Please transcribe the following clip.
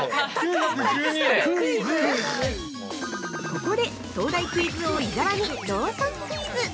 ◆ここで東大クイズ王伊沢にローソンクイズ！